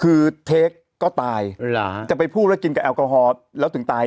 คือเทคก็ตายจะไปพูดแล้วกินกับแอลกอฮอลแล้วถึงตาย